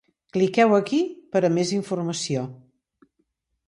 Cliqueu aquí per a més informació.